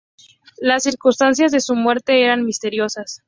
Las circunstancias de su muerte eran misteriosas.